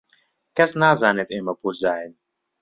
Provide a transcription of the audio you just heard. کەس نازانێت ئێمە پوورزاین.